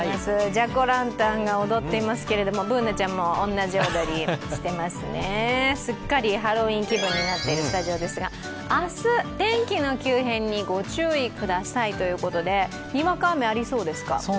ジャック・オー・ランタンが踊っていますけどＢｏｏｎａちゃんも同じような踊りしてますね、すっかりハロウィーン気分になっているスタジオですが天気の急変にご注意くださいということでにわか雨ですか。